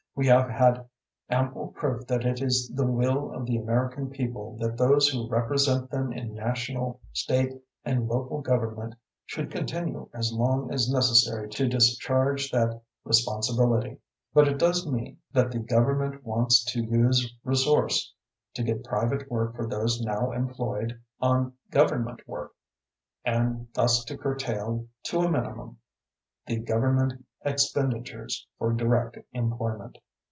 We have had ample proof that it is the will of the American people that those who represent them in national, state and local government should continue as long as necessary to discharge that responsibility. But it does mean that the government wants to use resource to get private work for those now employed on government work, and thus to curtail to a minimum the government expenditures for direct employment.